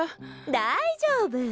大丈夫！